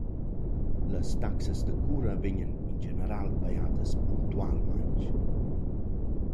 «Las taxas da cura vegnan in general pajadas punctualmaing.